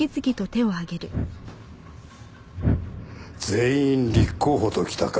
全員立候補ときたか。